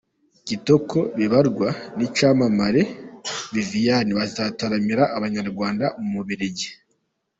Kitoko Bibarwa n’icyamamare Viviyane bazataramira Abanyarwanda mu Bubiligi